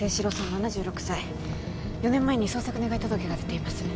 ７６歳４年前に捜索願届が出ています